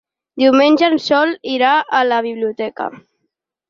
Diumenge en Sol irà a la biblioteca.